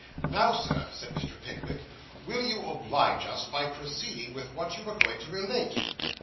'Now sir,' said Mr. Pickwick, 'will you oblige us by proceeding with what you were going to relate?